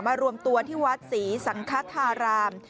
รวมตัวที่วัดศรีสังคธาราม